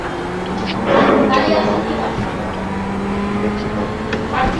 তোমার সমস্যা, তুমি জান না মরার পরে কি হয়।